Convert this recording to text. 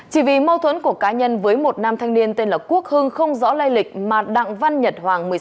chỉ vì mâu thuẫn của cá nhân với một nam thanh niên tên là quốc hưng không rõ lây lịch mà đặng văn nhật hoàng